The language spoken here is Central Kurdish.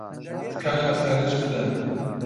تکایە سەرنج بدەن.